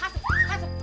masuk masuk masuk